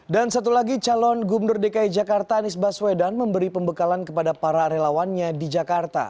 dan satu lagi calon gubernur dki jakarta anies baswedan memberi pembekalan kepada para relawannya di jakarta